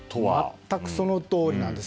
全くそのとおりなんです。